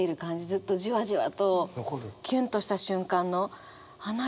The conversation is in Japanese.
ずっとじわじわとキュンとした瞬間のあっ何？